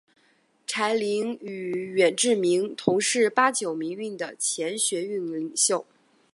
柴玲与远志明同是八九民运的前学运领袖。